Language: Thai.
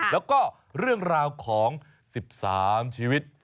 แล้วก็เรื่องราวของ๑๓ชีวิต